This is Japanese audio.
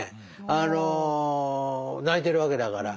あの泣いてるわけだから。